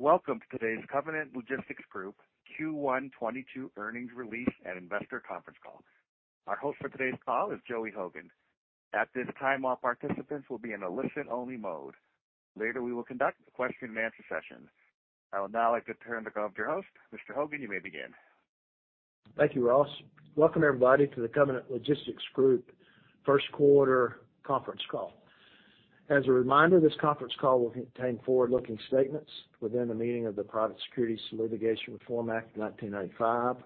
Welcome to today's Covenant Logistics Group Q1 2022 earnings release and investor conference call. Our host for today's call is Joey Hogan. At this time, all participants will be in a listen-only mode. Later, we will conduct a question-and-answer session. I would now like to turn the call over to our host. Mr. Hogan, you may begin. Thank you, Ross. Welcome everybody to the Covenant Logistics Group first quarter conference call. As a reminder, this conference call will contain forward-looking statements within the meaning of the Private Securities Litigation Reform Act of 1995.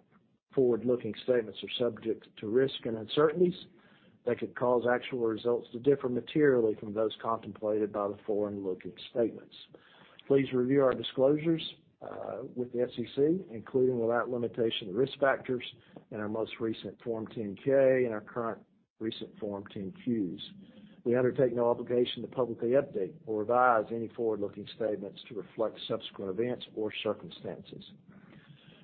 Forward-looking statements are subject to risks and uncertainties that could cause actual results to differ materially from those contemplated by the forward-looking statements. Please review our disclosures with the SEC, including without limitation to risk factors in our most recent Form 10-K and our most recent Form 10-Qs. We undertake no obligation to publicly update or revise any forward-looking statements to reflect subsequent events or circumstances.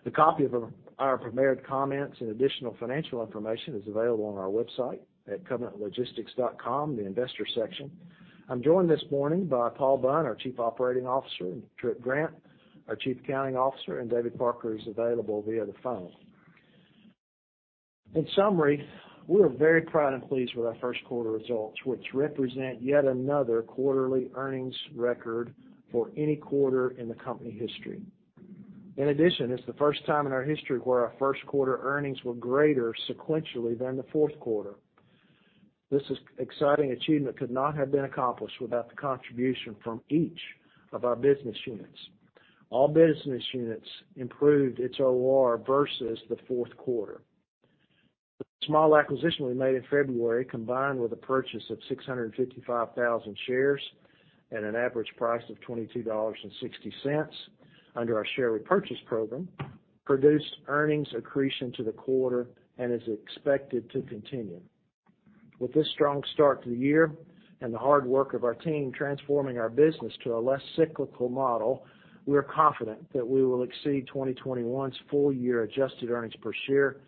The copy of our prepared comments and additional financial information is available on our website at covenantlogistics.com, the Investor section. I'm joined this morning by Paul Bunn, our Chief Operating Officer, and Tripp Grant, our Chief Accounting Officer, and David Parker is available via the phone. In summary, we are very proud and pleased with our first quarter results, which represent yet another quarterly earnings record for any quarter in the company history. In addition, it's the first time in our history where our first quarter earnings were greater sequentially than the fourth quarter. This exciting achievement could not have been accomplished without the contribution from each of our business units. All business units improved its OR versus the fourth quarter. The small acquisition we made in February, combined with the purchase of 655,000 shares at an average price of $22.60 under our share repurchase program, produced earnings accretion to the quarter and is expected to continue. With this strong start to the year and the hard work of our team transforming our business to a less cyclical model, we are confident that we will exceed 2021's full year adjusted earnings per share for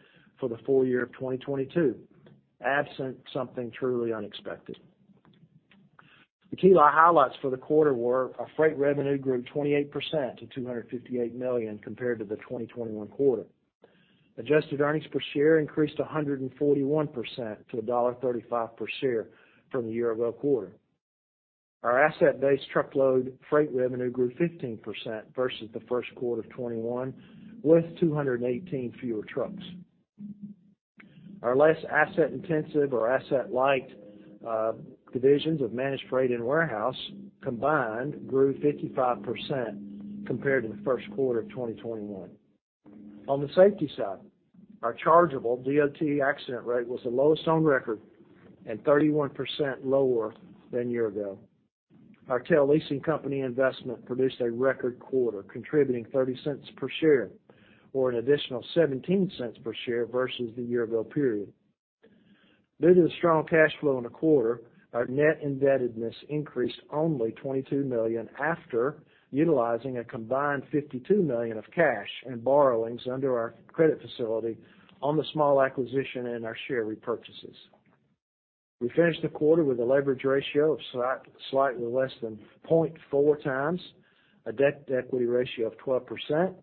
the full year of 2022, absent something truly unexpected. The key highlights for the quarter were our freight revenue grew 28% to $258 million compared to the 2021 quarter. Adjusted earnings per share increased 141% to $1.35 per share from the year-ago quarter. Our asset-based truckload freight revenue grew 15% versus the first quarter of 2021, with 218 fewer trucks. Our less asset-intensive or asset-light divisions of Managed Freight and warehouse combined grew 55% compared to the first quarter of 2021. On the safety side, our chargeable DOT accident rate was the lowest on record and 31% lower than year-ago. Our TEL leasing company investment produced a record quarter, contributing $0.30 per share or an additional $0.17 per share versus the year-ago period. Due to the strong cash flow in the quarter, our net indebtedness increased only $22 million after utilizing a combined $52 million of cash and borrowings under our credit facility on the small acquisition and our share repurchases. We finished the quarter with a leverage ratio of slightly less than 0.4x, a debt-to-equity ratio of 12%,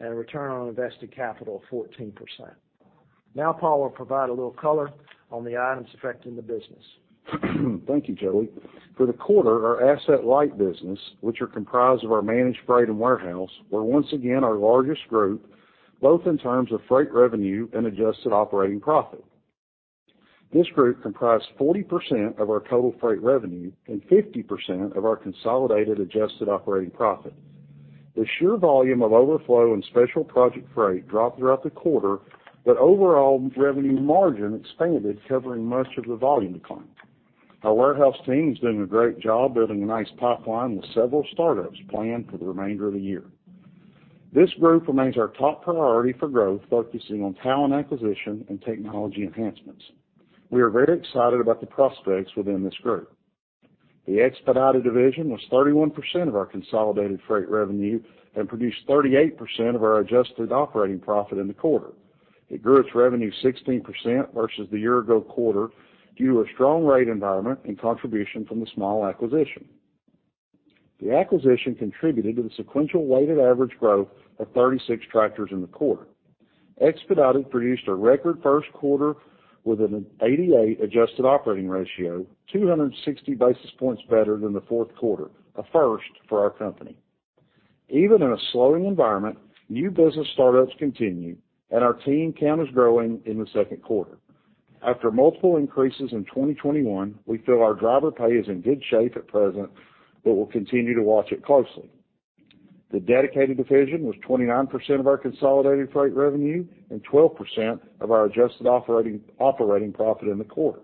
and a return on invested capital of 14%. Now Paul will provide a little color on the items affecting the business. Thank you, Joey. For the quarter, our asset-light business, which are comprised of our Managed Freight and warehouse, were once again our largest group, both in terms of freight revenue and adjusted operating profit. This group comprised 40% of our total freight revenue and 50% of our consolidated adjusted operating profit. The sheer volume of overflow and special project freight dropped throughout the quarter, but overall revenue margin expanded, covering much of the volume decline. Our warehouse team is doing a great job building a nice pipeline with several startups planned for the remainder of the year. This group remains our top priority for growth, focusing on talent acquisition and technology enhancements. We are very excited about the prospects within this group. The Expedited division was 31% of our consolidated freight revenue and produced 38% of our adjusted operating profit in the quarter. It grew its revenue 16% versus the year-ago quarter due to a strong rate environment and contribution from the small acquisition. The acquisition contributed to the sequential weighted average growth of 36 tractors in the quarter. Expedited produced a record first quarter with an 88 adjusted operating ratio, 260 basis points better than the fourth quarter, a first for our company. Even in a slowing environment, new business startups continue, and our team count is growing in the second quarter. After multiple increases in 2021, we feel our driver pay is in good shape at present but will continue to watch it closely. The Dedicated division was 29% of our consolidated freight revenue and 12% of our adjusted operating profit in the quarter.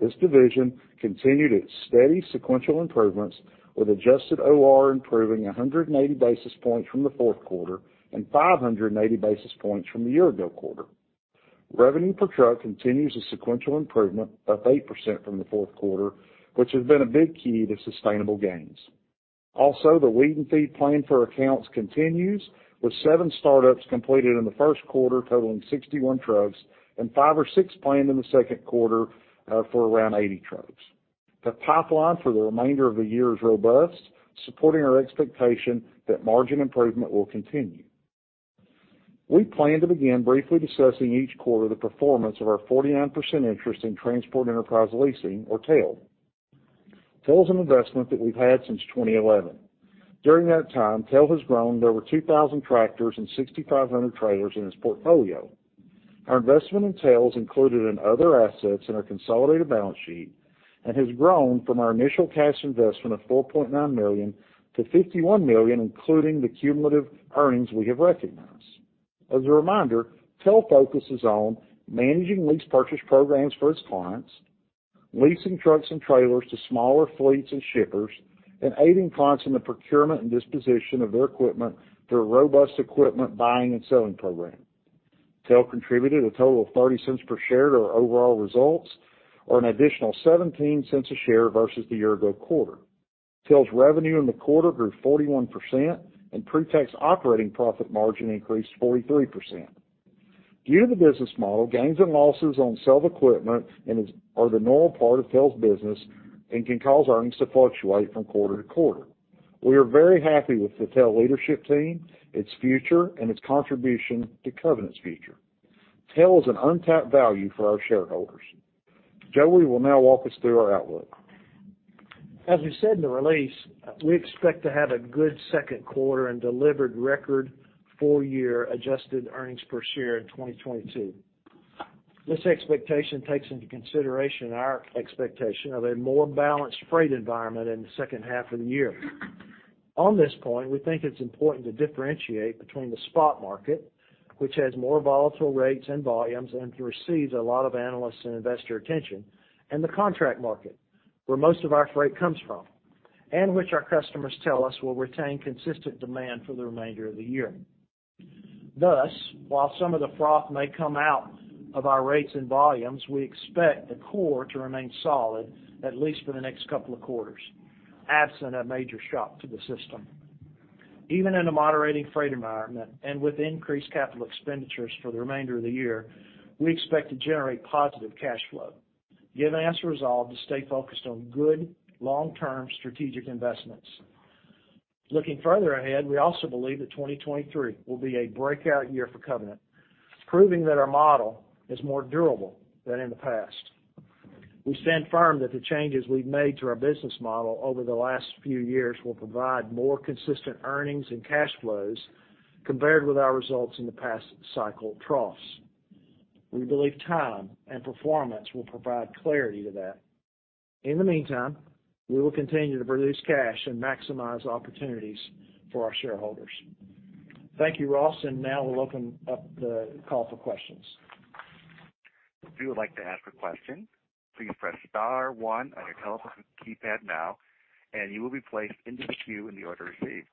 This division continued its steady sequential improvements, with adjusted OR improving 180 basis points from the fourth quarter and 580 basis points from the year-ago quarter. Revenue per truck continues a sequential improvement, up 8% from the fourth quarter, which has been a big key to sustainable gains. Also, the lead and feed plan for accounts continues, with seven startups completed in the first quarter, totaling 61 trucks, and five or six planned in the second quarter for around 80 trucks. The pipeline for the remainder of the year is robust, supporting our expectation that margin improvement will continue. We plan to begin briefly discussing each quarter the performance of our 49% interest in Transport Enterprise Leasing or TEL. TEL is an investment that we've had since 2011. During that time, TEL has grown to over 2,000 tractors and 6,500 trailers in its portfolio. Our investment in TEL is included in other assets in our consolidated balance sheet and has grown from our initial cash investment of $4.9 million to $51 million, including the cumulative earnings we have recognized. As a reminder, TEL focuses on managing lease purchase programs for its clients, leasing trucks and trailers to smaller fleets and shippers, and aiding clients in the procurement and disposition of their equipment through a robust equipment buying and selling program. TEL contributed a total of $0.30 per share to our overall results, or an additional $0.17 per share versus the year ago quarter. TEL's revenue in the quarter grew 41%, and pre-tax operating profit margin increased 43%. Due to the business model, gains and losses on sale of equipment are the normal part of TEL's business and can cause earnings to fluctuate from quarter to quarter. We are very happy with the TEL leadership team, its future, and its contribution to Covenant's future. TEL is an untapped value for our shareholders. Joey will now walk us through our outlook. As we said in the release, we expect to have a good second quarter and delivered record full year adjusted earnings per share in 2022. This expectation takes into consideration our expectation of a more balanced freight environment in the second half of the year. On this point, we think it's important to differentiate between the spot market, which has more volatile rates and volumes and receives a lot of analysts and investor attention, and the contract market, where most of our freight comes from, and which our customers tell us will retain consistent demand for the remainder of the year. Thus, while some of the froth may come out of our rates and volumes, we expect the core to remain solid, at least for the next couple of quarters, absent a major shock to the system. Even in a moderating freight environment and with increased capital expenditures for the remainder of the year, we expect to generate positive cash flow, giving us resolve to stay focused on good long-term strategic investments. Looking further ahead, we also believe that 2023 will be a breakout year for Covenant, proving that our model is more durable than in the past. We stand firm that the changes we've made to our business model over the last few years will provide more consistent earnings and cash flows compared with our results in the past cycle troughs. We believe time and performance will provide clarity to that. In the meantime, we will continue to produce cash and maximize opportunities for our shareholders. Thank you, Ross, and now we'll open up the call for questions. If you would like to ask a question, please press star one on your telephone keypad now and you will be placed into the queue in the order received.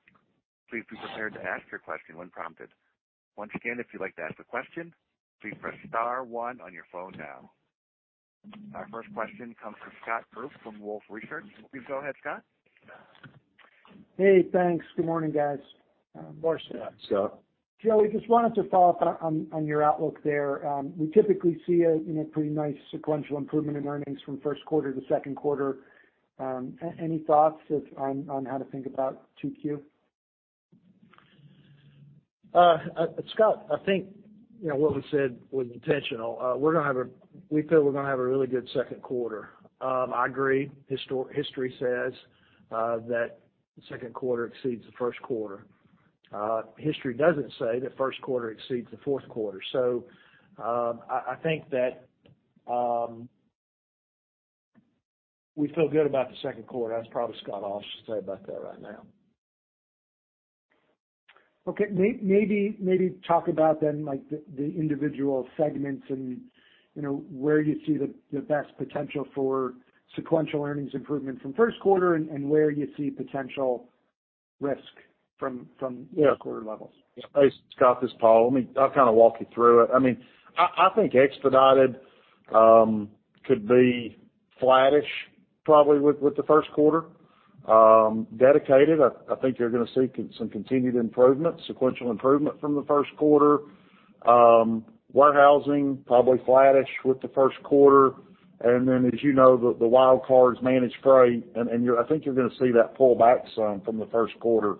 Please be prepared to ask your question when prompted. Once again, if you'd like to ask a question, please press star one on your phone now. Our first question comes from Scott Group from Wolfe Research. Please go ahead, Scott. Hey, thanks. Good morning, guys. Morning, Scott. Scott. Joey, just wanted to follow-up on your outlook there. We typically see a, you know, pretty nice sequential improvement in earnings from first quarter to second quarter. Any thoughts on how to think about 2Q? Scott, I think, you know, what we said was intentional. We feel we're gonna have a really good second quarter. I agree. History says that second quarter exceeds the first quarter. History doesn't say that first quarter exceeds the fourth quarter. I think that we feel good about the second quarter. That's probably, Scott, all I should say about that right now. Okay. Maybe talk about then, like, the individual segments and, you know, where you see the best potential for sequential earnings improvement from first quarter and where you see potential risk from first quarter levels? Yeah. Hey, Scott, this is Paul. I'll kind of walk you through it. I mean, I think Expedited could be flattish probably with the first quarter. Dedicated, I think you're gonna see some continued improvement, sequential improvement from the first quarter. Warehousing probably flattish with the first quarter. Then as you know, the wild cards Managed Freight and I think you're gonna see that pull back some from the first quarter,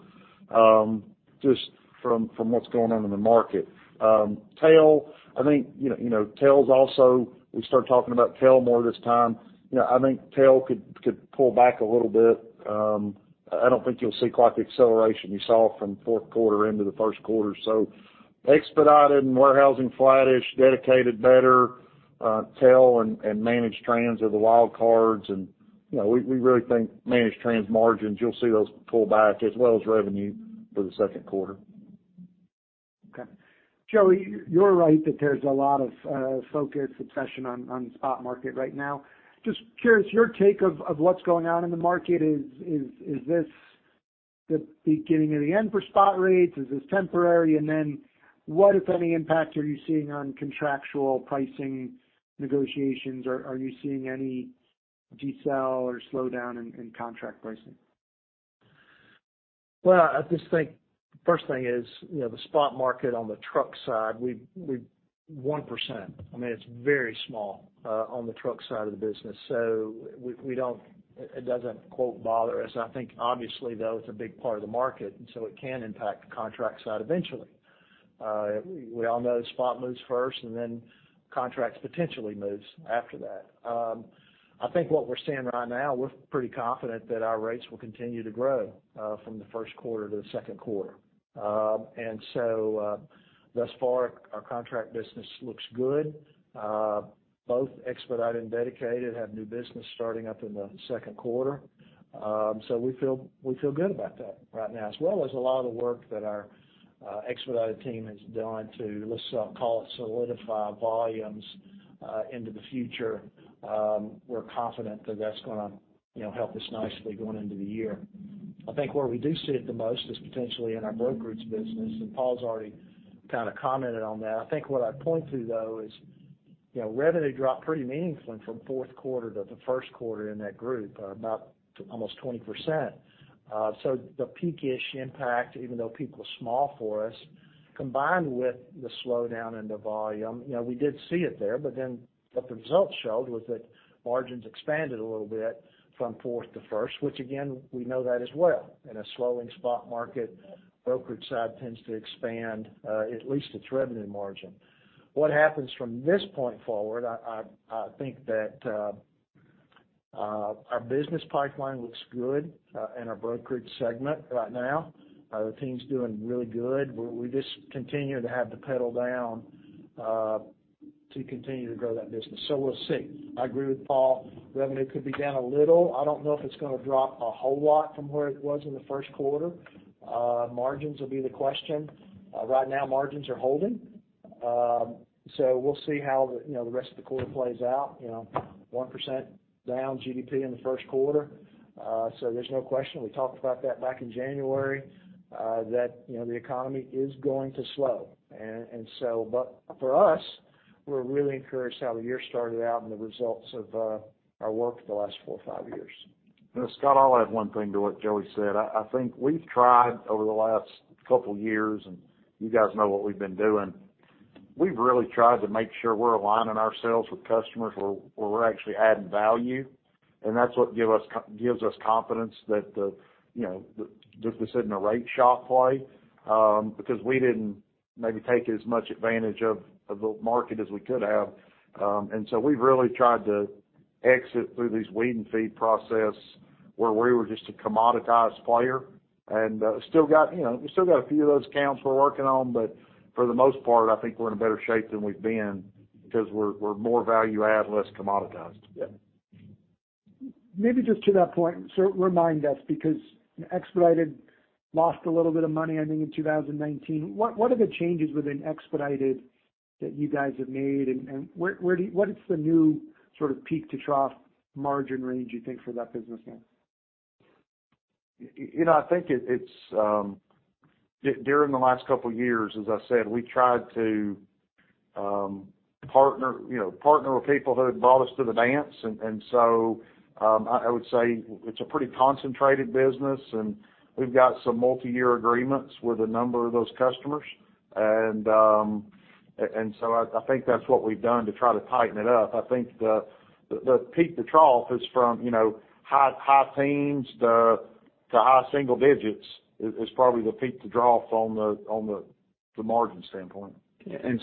just from what's going on in the market. TEL, I think, you know, TEL's also. We start talking about TEL more this time. You know, I think TEL could pull back a little bit. I don't think you'll see quite the acceleration you saw from fourth quarter into the first quarter. Expedited and Warehousing flattish, Dedicated better, TEL and managed trans are the wild cards. You know, we really think managed trans margins, you'll see those pull back as well as revenue for the second quarter. Okay. Joey, you're right that there's a lot of focus obsession on the spot market right now. Just curious, your take of what's going on in the market. Is this the beginning of the end for spot rates? Is this temporary? Then what, if any, impacts are you seeing on contractual pricing negotiations? Are you seeing any decel or slowdown in contract pricing? Well, I just think first thing is, you know, the spot market on the truck side, 1%. I mean, it's very small on the truck side of the business. So it doesn't, quote, "bother us." I think obviously, though, it's a big part of the market, and so it can impact the contract side eventually. We all know spot moves first and then contracts potentially moves after that. I think what we're seeing right now, we're pretty confident that our rates will continue to grow from the first quarter to the second quarter. Thus far, our contract business looks good. Both Expedited and Dedicated have new business starting up in the second quarter. We feel good about that right now, as well as a lot of the work that our Expedited team has done to, let's call it solidify volumes into the future. We're confident that that's gonna, you know, help us nicely going into the year. I think where we do see it the most is potentially in our brokerages business, and Paul's already kinda commented on that. I think what I'd point to though is, you know, revenue dropped pretty meaningfully from fourth quarter to the first quarter in that group, about almost 20%. The peak-ish impact, even though peak was small for us, combined with the slowdown in the volume, you know, we did see it there, but then what the results showed was that margins expanded a little bit from fourth to first, which again, we know that as well. In a slowing spot market, brokerage side tends to expand, at least its revenue margin. What happens from this point forward, I think that, our business pipeline looks good, in our brokerage segment right now. The team's doing really good. We just continue to have the pedal down, to continue to grow that business. We'll see. I agree with Paul. Revenue could be down a little. I don't know if it's gonna drop a whole lot from where it was in the first quarter. Margins will be the question. Right now, margins are holding. So we'll see how the, you know, the rest of the quarter plays out, you know. 1% down in GDP in the first quarter, so there's no question, we talked about that back in January, that, you know, the economy is going to slow. For us, we're really encouraged how the year started out and the results of our work for the last four or five years. Scott, I'll add one thing to what Joey said. I think we've tried over the last couple years, and you guys know what we've been doing. We've really tried to make sure we're aligning ourselves with customers where we're actually adding value, and that's what gives us confidence that, you know, this isn't a rate shop play, because we didn't maybe take as much advantage of the market as we could have. We've really tried to exit through these weed and feed process where we were just a commoditized player. You know, we still got a few of those accounts we're working on, but for the most part, I think we're in a better shape than we've been because we're more value add, less commoditized. Yeah. Maybe just to that point, remind us because Expedited lost a little bit of money, I think, in 2019. What are the changes within Expedited that you guys have made and what is the new sort of peak to trough margin range you think for that business now? You know, I think it's during the last couple years, as I said, we tried to partner with people who had brought us to the dance. So I would say it's a pretty concentrated business, and we've got some multiyear agreements with a number of those customers. So I think that's what we've done to try to tighten it up. I think the peak to trough is from, you know, high teens to high single digits, probably the peak to trough on the margin standpoint.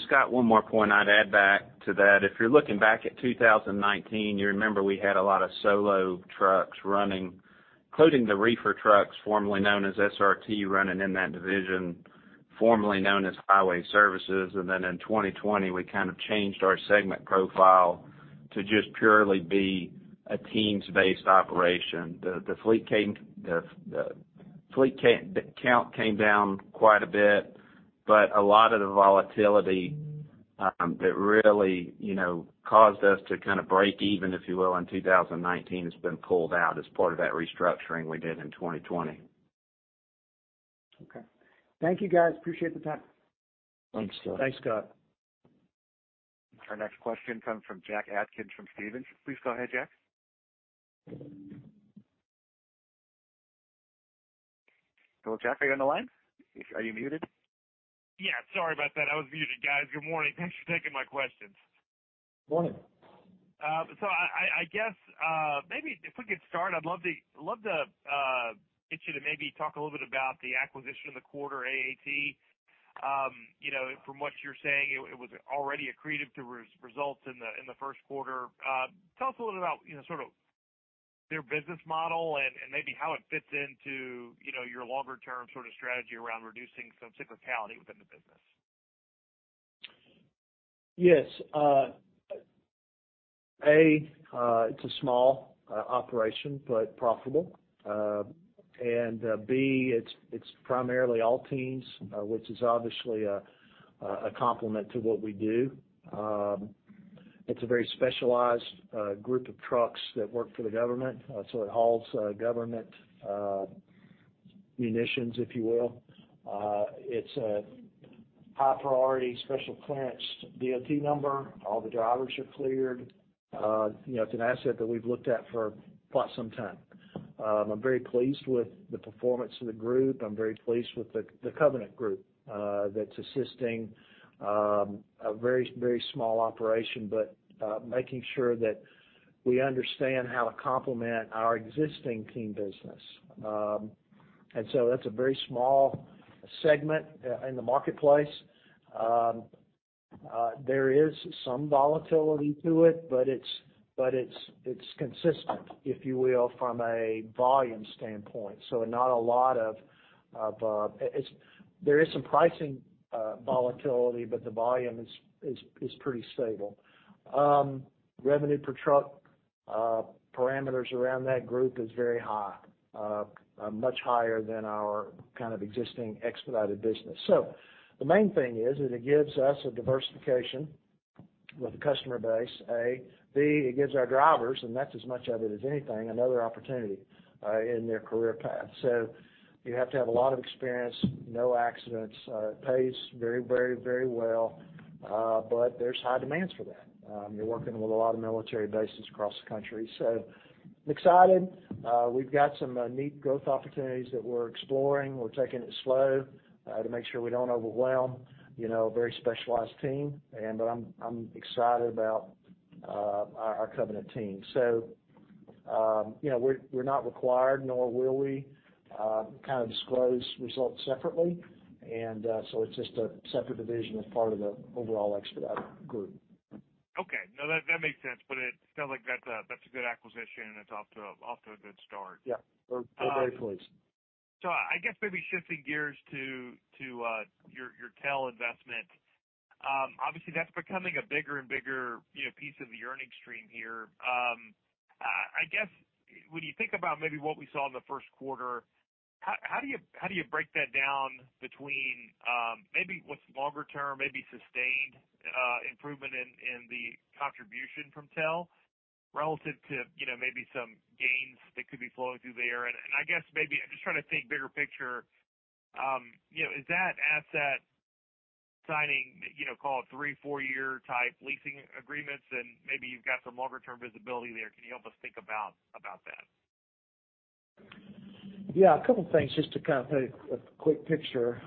Scott, one more point I'd add back to that. If you're looking back at 2019, you remember we had a lot of solo trucks running, including the reefer trucks formerly known as SRT, running in that division, formerly known as Highway Services. In 2020, we kind of changed our segment profile to just purely be a teams-based operation. The fleet count came down quite a bit, but a lot of the volatility that really, you know, caused us to kind of break even, if you will, in 2019 has been pulled out as part of that restructuring we did in 2020. Okay. Thank you, guys. Appreciate the time. Thanks, Scott. Thanks, Scott. Our next question comes from Jack Atkins from Stephens. Please go ahead, Jack. Hello, Jack, are you on the line? Are you muted? Yeah, sorry about that. I was muted. Guys, good morning. Thanks for taking my questions. Morning. I guess maybe if we could start, I'd love to get you to maybe talk a little bit about the acquisition in the quarter, AAT. You know, from what you're saying, it was already accretive to results in the first quarter. Tell us a little bit about, you know, sort of their business model and maybe how it fits into, you know, your longer term sort of strategy around reducing some cyclicality within the business. Yes. A, it's a small operation, but profitable. B, it's primarily all teams, which is obviously a complement to what we do. It's a very specialized group of trucks that work for the government, so it hauls government munitions, if you will. It's a high priority special clearance DOT number. All the drivers are cleared. You know, it's an asset that we've looked at for quite some time. I'm very pleased with the performance of the group. I'm very pleased with the Covenant group that's assisting a very, very small operation, but making sure that we understand how to complement our existing team business. That's a very small segment in the marketplace. There is some volatility to it, but it's consistent, if you will, from a volume standpoint. Not a lot of. There is some pricing volatility, but the volume is pretty stable. Revenue per truck parameters around that group is very high, much higher than our kind of existing Expedited business. The main thing is that it gives us a diversification with the customer base. A. B. It gives our drivers, and that's as much of it as anything, another opportunity in their career path. You have to have a lot of experience, no accidents. It pays very well, but there's high demands for that. You're working with a lot of military bases across the country. I'm excited. We've got some neat growth opportunities that we're exploring. We're taking it slow to make sure we don't overwhelm, you know, a very specialized team. I'm excited about our Covenant team. You know, we're not required, nor will we kind of disclose results separately. It's just a separate division as part of the overall Expedited group. Okay. No, that makes sense. It sounds like that's a good acquisition, and it's off to a good start. Yeah. We're very pleased. I guess maybe shifting gears to your TEL investment. Obviously, that's becoming a bigger and bigger, you know, piece of the earnings stream here. I guess when you think about maybe what we saw in the first quarter, how do you break that down between maybe what's longer term, maybe sustained improvement in the contribution from TEL relative to, you know, maybe some gains that could be flowing through there? I guess maybe I'm just trying to think bigger picture. You know, is that asset signing, you know, call it three- to four-year type leasing agreements, and maybe you've got some longer term visibility there? Can you help us think about that? Yeah, a couple things just to kind of paint a quick picture.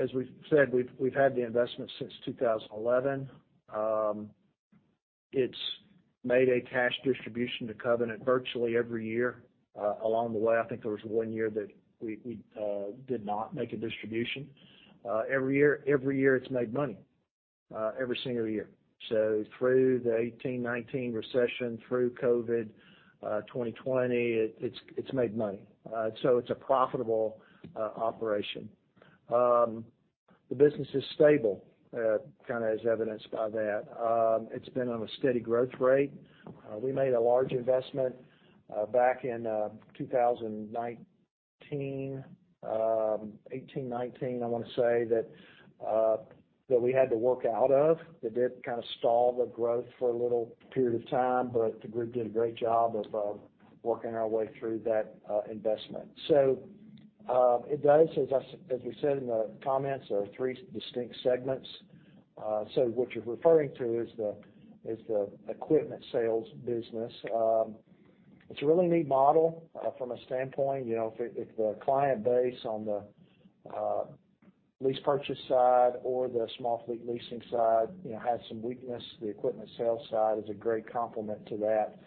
As we've said, we've had the investment since 2011. It's made a cash distribution to Covenant virtually every year along the way. I think there was one year that we did not make a distribution. Every year, it's made money every single year. Through the 2018, 2019 recession, through COVID, 2020, it's made money. It's a profitable operation. The business is stable, kinda as evidenced by that. It's been on a steady growth rate. We made a large investment back in 2019, 2018, 2019, I wanna say, that we had to work out of that did kind of stall the growth for a little period of time, but the group did a great job of working our way through that investment. It does, as we said in the comments. There are three distinct segments. What you're referring to is the equipment sales business. It's a really neat model from a standpoint, you know, if the client base on the lease purchase side or the small fleet leasing side, you know, has some weakness, the equipment sales side is a great complement to that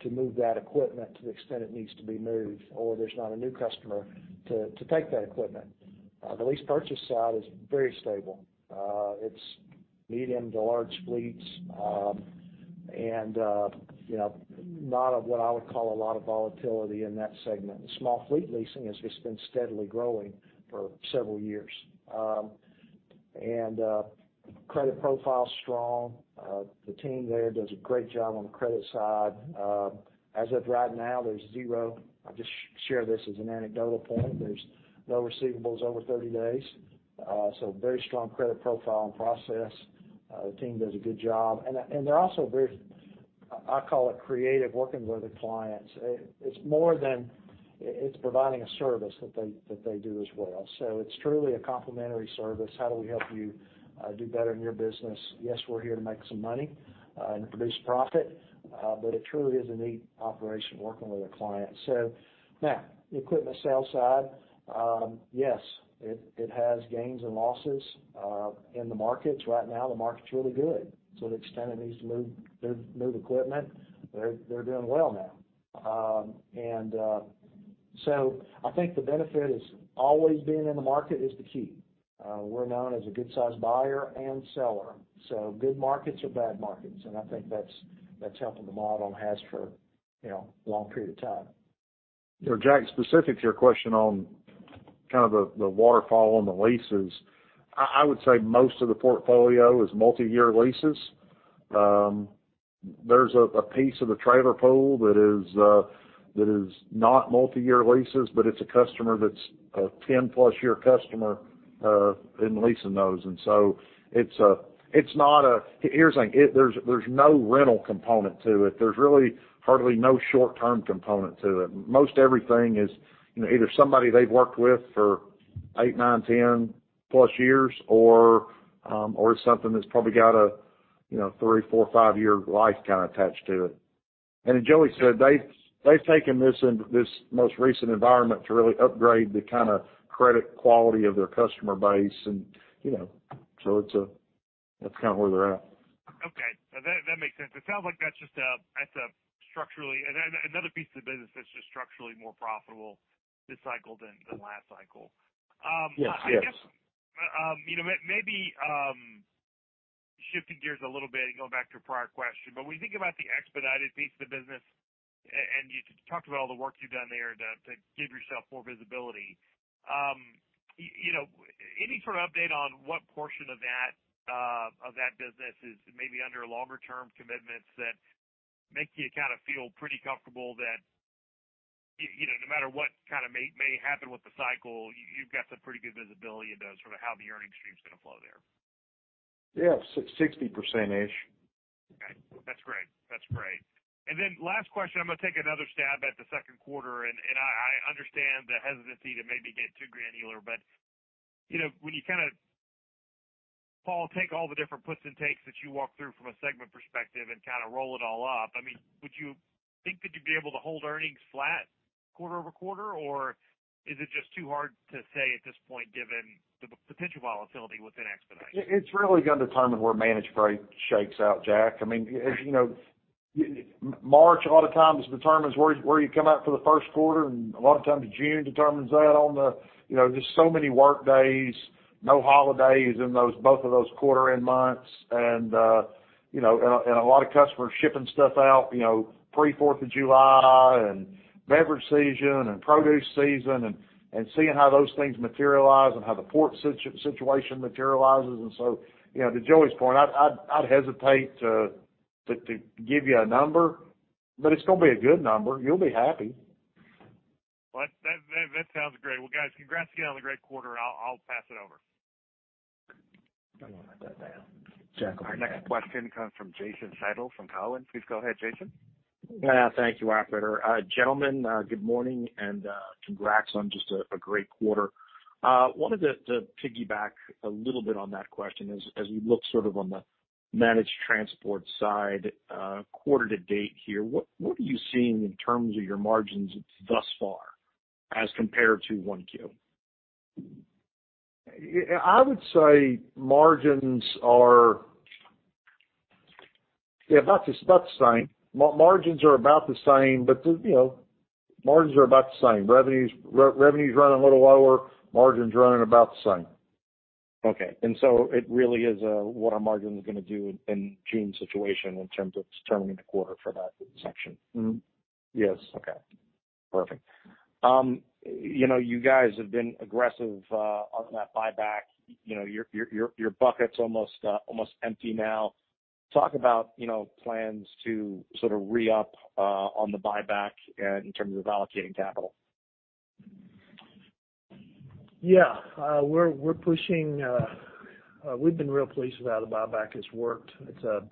to move that equipment to the extent it needs to be moved, or there's not a new customer to take that equipment. The lease purchase side is very stable. It's medium to large fleets, and you know, not of what I would call a lot of volatility in that segment. The small fleet leasing has just been steadily growing for several years. Credit profile's strong. The team there does a great job on the credit side. As of right now, there's zero. I'll just share this as an anecdotal point. There's no receivables over 30 days, so very strong credit profile and process. The team does a good job. They're also very, I call it creative, working with the clients. It's more than. It's providing a service that they do as well. It's truly a complementary service. How do we help you do better in your business? Yes, we're here to make some money and produce profit, but it truly is a neat operation working with the clients. Now the equipment sales side, yes, it has gains and losses in the markets. Right now, the market's really good. To the extent it needs to move equipment, they're doing well now. I think the benefit is always being in the market is the key. We're known as a good-sized buyer and seller, so good markets or bad markets, and I think that's helping the model and has for, you know, a long period of time. You know, Jack, specific to your question on kind of the waterfall on the leases, I would say most of the portfolio is multiyear leases. There's a piece of the trailer pool that is not multiyear leases, but it's a customer that's a 10+ year customer in leasing those. It's not a... Here's the thing. There's no rental component to it. There's really hardly no short-term component to it. Most everything is, you know, either somebody they've worked with for eight, nine, 10+ years or something that's probably got a, you know, three, four, five-year life kinda attached to it. As Joey said, they've taken this most recent environment to really upgrade the kinda credit quality of their customer base and, you know. That's kind of where they're at. Okay. That makes sense. It sounds like that's just another piece of the business that's structurally more profitable this cycle than last cycle. Yes, yes. I guess, you know, maybe shifting gears a little bit and going back to a prior question, but when you think about the Expedited piece of the business, and you talked about all the work you've done there to give yourself more visibility, you know, any sort of update on what portion of that business is maybe under longer term commitments that make you kinda feel pretty comfortable that, you know, no matter what kinda may happen with the cycle, you've got some pretty good visibility into sort of how the earnings stream's gonna flow there? Yeah. 60%-ish. Okay. That's great. That's great. Last question, I'm gonna take another stab at the second quarter, and I understand the hesitancy to maybe get too granular, but, you know, when you kinda, Paul, take all the different puts and takes that you walk through from a segment perspective and kinda roll it all up, I mean, would you think that you'd be able to hold earnings flat quarter over quarter, or is it just too hard to say at this point given the potential volatility within Expedited? It's really gonna determine where Managed Freight shakes out, Jack. I mean, as you know, March a lot of times determines where you come out for the first quarter, and a lot of times June determines that. You know, there's so many work days, no holidays in those both of those quarter end months and a lot of customers shipping stuff out, you know, pre-Fourth of July, and beverage season, and produce season, and seeing how those things materialize and how the port situation materializes. You know, to Joey's point, I'd hesitate to give you a number, but it's gonna be a good number. You'll be happy. Well, that sounds great. Well, guys, congrats again on the great quarter, and I'll pass it over. Our next question comes from Jason Seidl from Cowen. Please go ahead, Jason. Yeah. Thank you, operator. Gentlemen, good morning, and congrats on just a great quarter. Wanted to piggyback a little bit on that question as you look sort of on the managed transport side, quarter to date here, what are you seeing in terms of your margins thus far as compared to 1Q? I would say margins are about the same. Yeah, about the same. Margins are about the same, but the, you know. Margins are about the same. Revenues running a little lower, margins running about the same. Okay. It really is, what are margins gonna do in June situation in terms of determining the quarter for that section? Mm-hmm. Yes. Okay. Perfect. You know, you guys have been aggressive on that buyback. You know, your bucket's almost empty now. Talk about, you know, plans to sort of re-up on the buyback in terms of allocating capital. Yeah. We've been real pleased with how the buyback has worked. It's a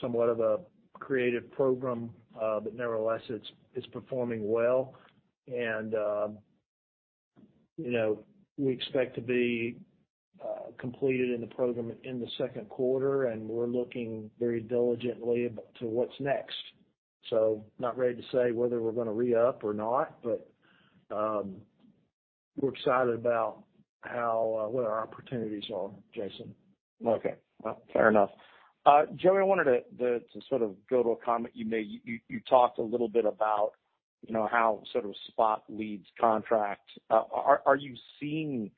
somewhat of a creative program, but nevertheless, it's performing well. You know, we expect to be completed in the program in the second quarter, and we're looking very diligently to what's next. Not ready to say whether we're gonna re-up or not, but we're excited about what our opportunities are, Jason. Okay. Well, fair enough. Joey, I wanted to sort of go to a comment you made. You talked a little bit about, you know, how sort of spot leads contract. Are you seeing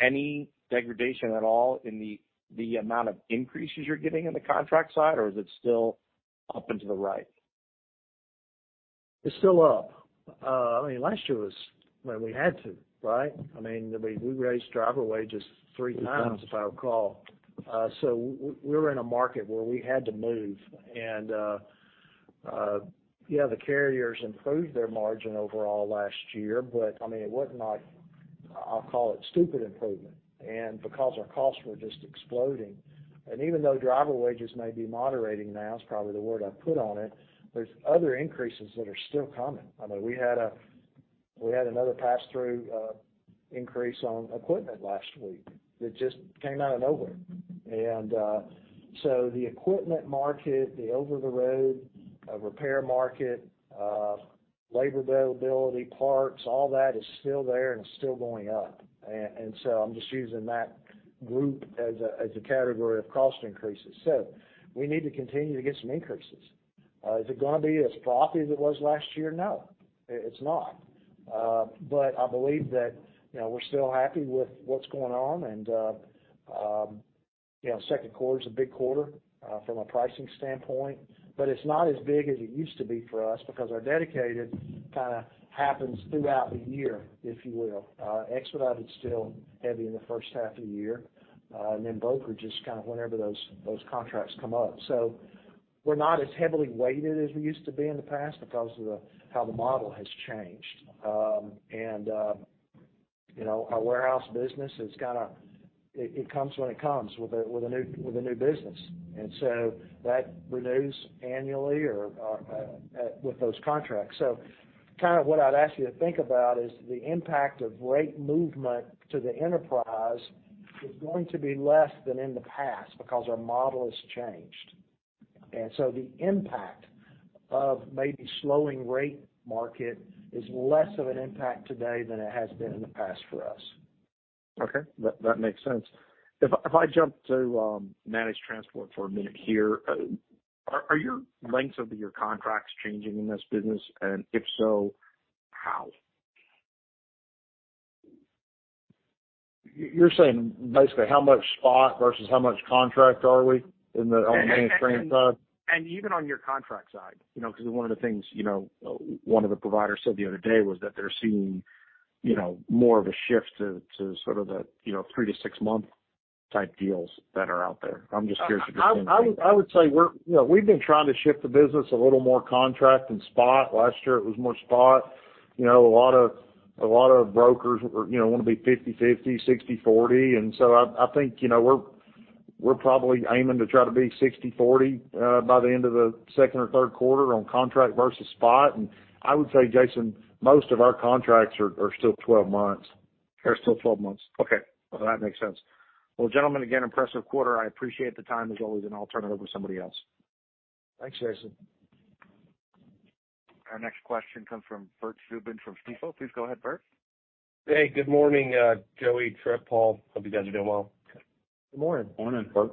any degradation at all in the amount of increases you're getting in the contract side, or is it still up in the right? It's still up. I mean, last year was when we had to, right? I mean, we raised driver wages three times. Yeah If I recall, we were in a market where we had to move. Yeah, the carriers improved their margin overall last year, but I mean, it was not, I'll call it stupendous improvement, and because our costs were just exploding. Even though driver wages may be moderating now, is probably the word I'd put on it, there's other increases that are still coming. I mean, we had another pass-through increase on equipment last week that just came out of nowhere. The equipment market, the over-the-road repair market, labor availability, parts, all that is still there and still going up. I'm just using that group as a category of cost increases. We need to continue to get some increases. Is it gonna be as floppy as it was last year? No, it's not. I believe that, you know, we're still happy with what's going on, and, you know, second quarter is a big quarter from a pricing standpoint, but it's not as big as it used to be for us because our Dedicated kinda happens throughout the year, if you will. Expedited's still heavy in the first half of the year, and then brokerage is kind of whenever those contracts come up. We're not as heavily weighted as we used to be in the past because of how the model has changed. You know, our warehouse business is kinda. It comes when it comes with a new business. That renews annually or with those contracts. Kind of what I'd ask you to think about is the impact of rate movement to the enterprise is going to be less than in the past because our model has changed. The impact of maybe slowing rate market is less of an impact today than it has been in the past for us. Okay. That makes sense. If I jump to managed transport for a minute here, are your length of your contracts changing in this business, and if so, how? You're saying basically how much spot versus how much contract are we in the? And, and- On the mainstream side. Even on your contract side, you know, 'cause one of the things, you know, one of the providers said the other day was that they're seeing, you know, more of a shift to sort of the, you know, three to six-month type deals that are out there. I'm just curious if you're seeing that? I would say we're. You know, we've been trying to shift the business a little more contract than spot. Last year, it was more spot. You know, a lot of brokers were, you know, wanna be 50/50, 60/40, and so I think, you know, we're probably aiming to try to be 60/40 by the end of the second or third quarter on contract versus spot. I would say, Jason, most of our contracts are still 12 months. They're still 12 months. Okay. Well, that makes sense. Well, gentlemen, again, impressive quarter. I appreciate the time as always, and I'll turn it over to somebody else. Thanks, Jason. Our next question comes from Bert Subin from Stifel. Please go ahead, Bert. Hey, good morning, Joey, Tripp, Paul. Hope you guys are doing well. Good morning. Morning, Bert.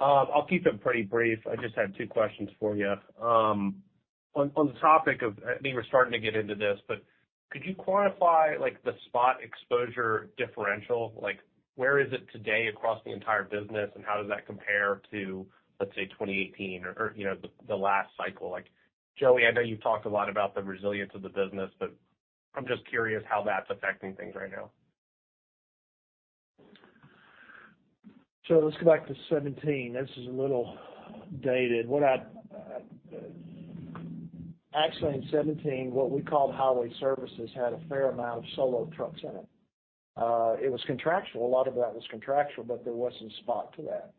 I'll keep it pretty brief. I just have two questions for you. On the topic of, I think we're starting to get into this, but could you quantify like the spot exposure differential? Like, where is it today across the entire business, and how does that compare to, let's say, 2018 or, you know, the last cycle? Like, Joey, I know you've talked a lot about the resilience of the business, but I'm just curious how that's affecting things right now. Let's go back to 2017. This is a little dated. Actually, in 2017, what we called Highway Services had a fair amount of solo trucks in it. It was contractual. A lot of that was contractual, but there was some spot to that.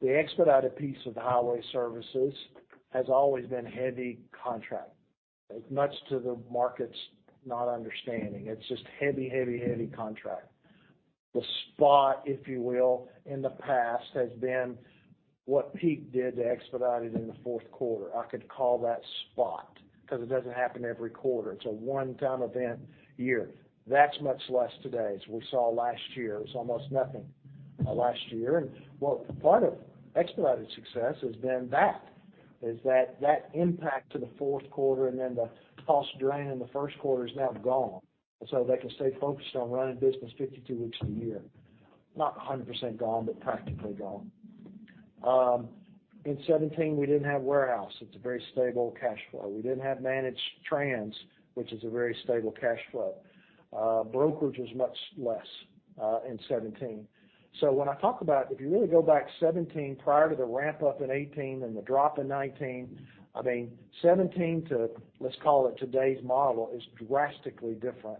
The Expedited piece of the Highway Services has always been heavy contract, much to the market's not understanding. It's just heavy, heavy contract. The spot, if you will, in the past has been what Pete did to Expedited in the fourth quarter. I could call that spot 'cause it doesn't happen every quarter. It's a one-time event a year. That's much less today, as we saw last year. It's almost nothing last year. What part of Expedited success has been that impact to the fourth quarter and then the cost drain in the first quarter is now gone. They can stay focused on running business 52 weeks of the year. Not 100% gone, but practically gone. In 2017, we didn't have warehouse. It's a very stable cash flow. We didn't have managed trans, which is a very stable cash flow. Brokerage was much less in 2017. When I talk about if you really go back 2017 prior to the ramp up in 2018 and the drop in 2019, I mean, 2017 to, let's call it, today's model is drastically different.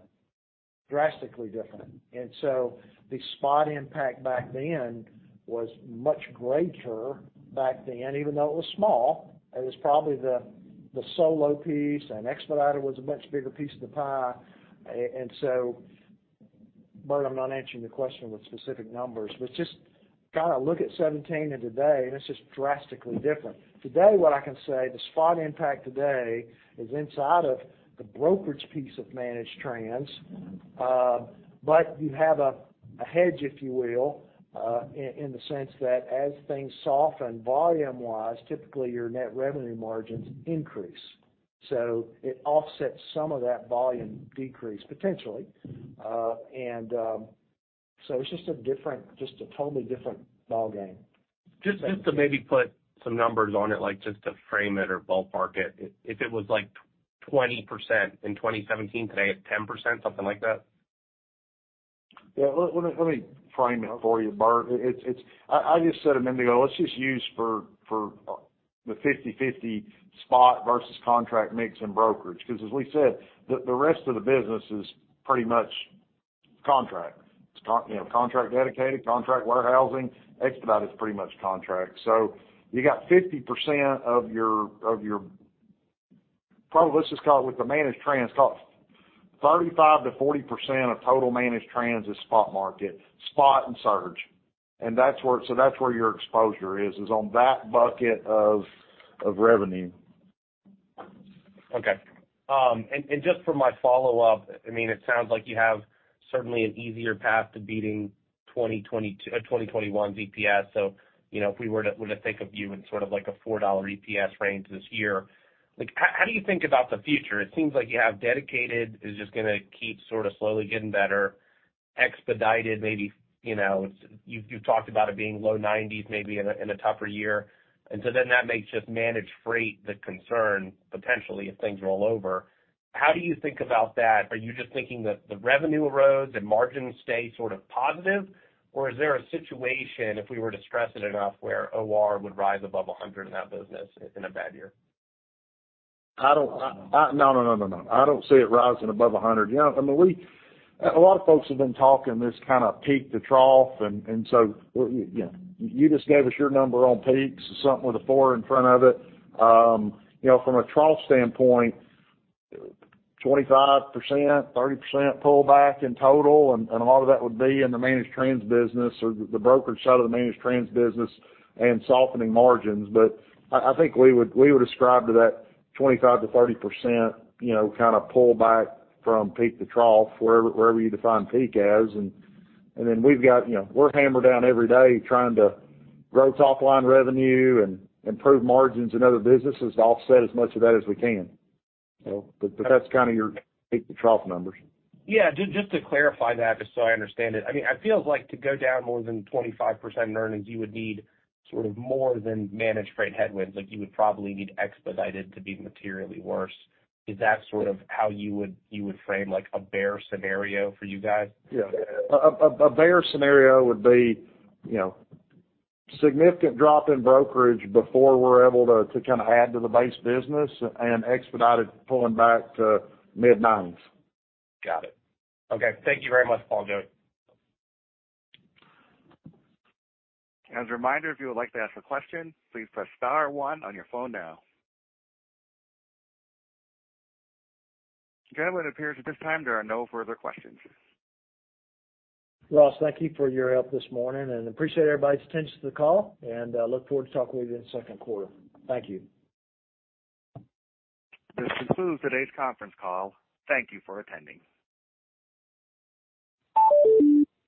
Drastically different. The spot impact back then was much greater back then, even though it was small. It was probably the solo piece and Expedited was a much bigger piece of the pie. Bert, I'm not answering the question with specific numbers, but just gotta look at 2017 and today, and it's just drastically different. Today, what I can say, the spot impact today is inside of the brokerage piece of managed trans. But you have a hedge, if you will, in the sense that as things soften volume-wise, typically your net revenue margins increase. So it offsets some of that volume decrease potentially. It's just a different, just a totally different ballgame. Just to maybe put some numbers on it, like, just to frame it or ballpark it, if it was, like, 20% in 2017, today it's 10%, something like that? Yeah. Let me frame it for you, Bert. I just said a minute ago, let's just use for the 50/50 spot versus contract mix in brokerage, 'cause as we said, the rest of the business is pretty much contract. It's contract, you know, contract Dedicated, contract Warehousing, Expedited is pretty much contract. You got 50% of your. Probably, let's just call it with the managed trans, 35%-40% of total managed trans is spot market, spot and surge. That's where your exposure is on that bucket of revenue. Okay. And just for my follow-up, I mean, it sounds like you have certainly an easier path to beating 2021's EPS. You know, if we were to think of you in sort of like a $4 EPS range this year, like, how do you think about the future? It seems like you have Dedicated is just gonna keep sort of slowly getting better. Expedited maybe, you know, it's you've talked about it being low 90s maybe in a tougher year. That makes just Managed Freight the concern potentially if things roll over. How do you think about that? Are you just thinking that the revenue erodes and margins stay sort of positive? Is there a situation, if we were to stress it enough, where OR would rise above 100 in that business in a bad year? I don't see it rising above 100. You know, I mean, a lot of folks have been talking this kind of peak to trough, and so, you know, you just gave us your number on peaks, something with a four in front of it. You know, from a trough standpoint, 25%, 30% pullback in total, and a lot of that would be in the managed trans business or the brokerage side of the managed trans business and softening margins. I think we would ascribe to that 25%-30%, you know, kind of pullback from peak to trough, wherever you define peak as. We've got, you know, we're hammered down every day trying to grow top line revenue and improve margins in other businesses to offset as much of that as we can. That's kinda your peak to trough numbers. Yeah. Just to clarify that, just so I understand it, I mean, it feels like to go down more than 25% in earnings, you would need sort of more than Managed Freight headwinds. Like, you would probably need Expedited to be materially worse. Is that sort of how you would frame, like, a bear scenario for you guys? Yeah. A bear scenario would be, you know, significant drop in brokerage before we're able to kinda add to the base business and Expedited pulling back to mid-90s. Got it. Okay. Thank you very much, Paul and Joey. As a reminder, if you would like to ask a question, please press star one on your phone now. Gentlemen, it appears at this time there are no further questions. Ross, thank you for your help this morning, and appreciate everybody's attention to the call, and I look forward to talking with you in the second quarter. Thank you. This concludes today's conference call. Thank you for attending.